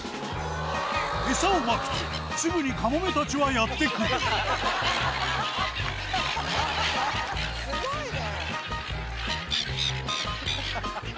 餌をまくとすぐにカモメたちはやって来るスゴいね！